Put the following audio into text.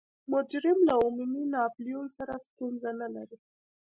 مجرم له عمومي ناپلیون سره ستونزه نلري.